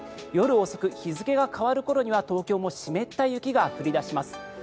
夜遅く日付が変わる頃には東京も湿った雪が降り出します。